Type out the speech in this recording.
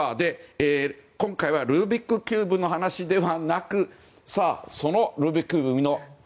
今回はルービックキューブの話ではなくそのルービックキューブの国